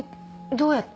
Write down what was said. どうやって？